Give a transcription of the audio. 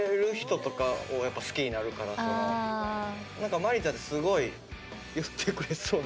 なんかマリーちゃんってすごい言ってくれそうな。